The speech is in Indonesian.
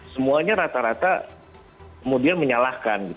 semuanya rata rata kemudian menyalahkan